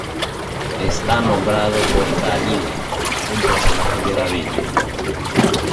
Está nombrado por Dalila, un personaje de la Biblia.